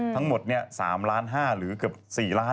ทั้งหมด๓ล้าน๕หรือเกือบ๔ล้าน